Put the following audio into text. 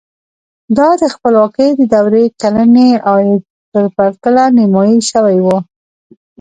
دا د خپلواکۍ د دورې کلني عاید په پرتله نیمايي شوی و.